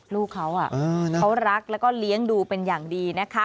ลูกเขาเขารักแล้วก็เลี้ยงดูเป็นอย่างดีนะคะ